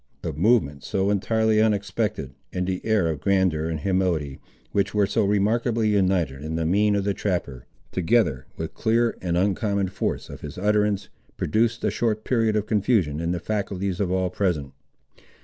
A movement so entirely unexpected, and the air of grandeur and humility, which were so remarkably united in the mien of the trapper, together with the clear and uncommon force of his utterance, produced a short period of confusion in the faculties of all present.